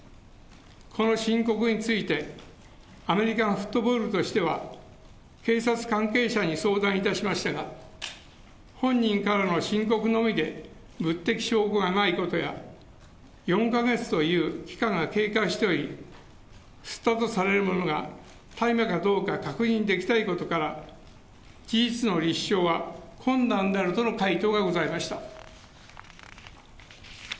この申告について、アメリカンフットボール部としては警察関係者に相談いたしましたが、本人からの申告のみで物的証拠がないことや、４か月という期間が経過しており、吸ったとされるものが大麻かどうか確認できないことから、事実の立証は困難であるとの回答がございました。